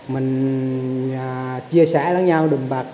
mình chia sẻ lẳng nha lẳng bạc